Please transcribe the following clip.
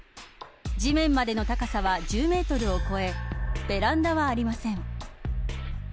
地面までの高さは１０メートルを超えベランダはありません。